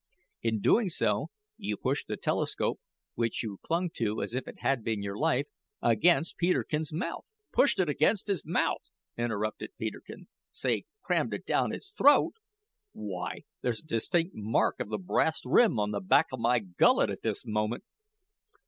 In doing so, you pushed the telescope which you clung to as if it had been your life against Peterkin's mouth " "Pushed it against his mouth!" interrupted Peterkin; "say crammed it down his throat! Why, there's a distinct mark of the brass rim on the back of my gullet at this moment!"